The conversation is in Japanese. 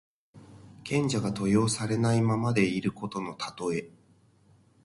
賢者が登用されないままでいることのたとえ。